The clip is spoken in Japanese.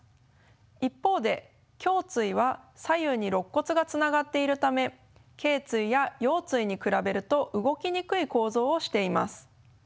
一方で胸椎は左右にろっ骨がつながっているためけい椎や腰椎に比べると動きにくい構造をしています。